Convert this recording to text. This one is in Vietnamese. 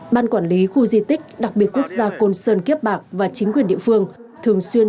ban quản lý khu di tích đặc biệt quốc gia côn sơn kiếp bạc và chính quyền địa phương thường xuyên